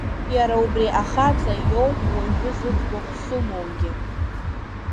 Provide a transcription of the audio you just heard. Иара убри ахаҵа иоуп уажәы зыӡбахә сымоугьы.